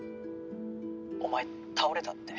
お前倒れたって。